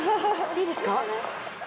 いいですか？